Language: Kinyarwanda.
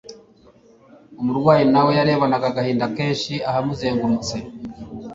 Umurwayi na we yarebanaga agahinda kenshi ahamuzengurutse.